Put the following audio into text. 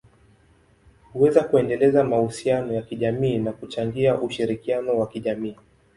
huweza kuendeleza mahusiano ya kijamii na kuchangia ushirikiano wa kijamii.